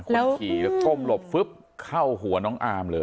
แล้วขี่ก้มหลบฟึ๊บเข้าหัวน้องอาร์มเลย